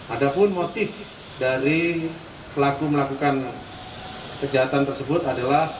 ada pun motif dari pelaku melakukan kejahatan tersebut adalah